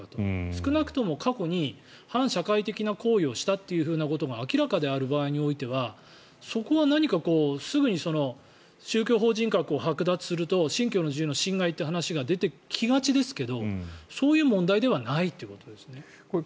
少なくとも過去に反社会的な行為をしたということが明らかである場合にはそこは何か、すぐに宗教法人格をはく奪すると信教の自由の侵害という話が出てきがちですけどそういう問題ではないということです。